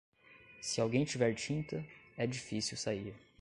Se alguém tiver tinta, é difícil sair.